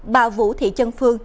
bà vũ thị trân phương